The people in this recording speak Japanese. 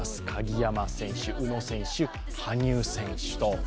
鍵山選手、宇野選手、羽生選手と。